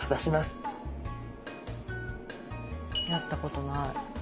やったことない。